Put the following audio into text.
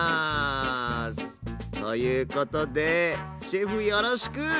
ということでシェフよろしく。